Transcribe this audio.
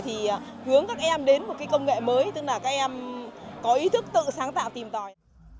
thì hướng các em đến một công nghệ mới tức là các em có ý thức tự sáng tạo tìm tòi